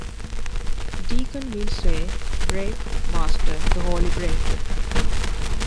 The deacon will say, Break, Master, the Holy Bread.